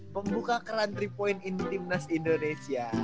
pembuka kerantri point intimnas indonesia